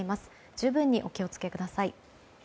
十分にお気を付けください。